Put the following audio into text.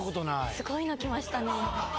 すごいのきましたね。